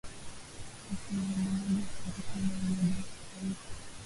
ati wa uundwaji wa serikali ya umoja wa kitaifa